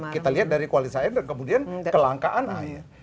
kita lihat dari kualitas air kemudian kelangkaan air